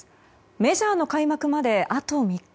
メジャーの開幕まであと３日。